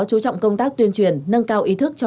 chú trọng công tác tuyên truyền nâng cao ý thức cho